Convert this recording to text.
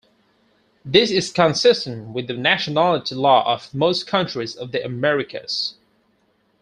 This is consistent with the nationality law of most countries of the Americas.